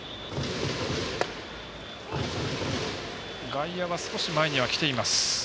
外野は少し前には来ています。